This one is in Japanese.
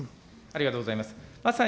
ありがとうございます。